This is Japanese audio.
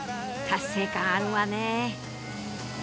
達成感あるわね。